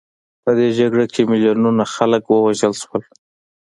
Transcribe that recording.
په دې جګړه کې میلیونونو خلک ووژل شول.